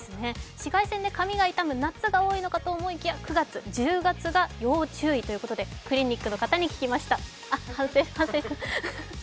紫外線で髪が痛む夏が多いのかと思いきや９月、１０月が多いということで、クリニックの方に聞きました。